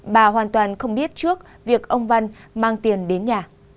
bà hoàn toàn không biết trước việc ông văn mang tiền đến nhà